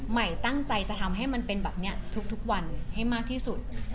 ใหม่ตั้งใจจะทำให้มันเป็นแบบนี้ทุกวันให้มากที่สุด